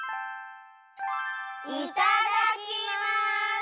いただきます！